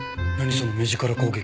その目力攻撃。